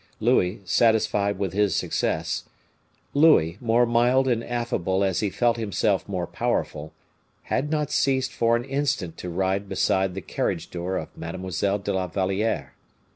Louis, satisfied with his success Louis, more mild and affable as he felt himself more powerful had not ceased for an instant to ride beside the carriage door of Mademoiselle de la Valliere.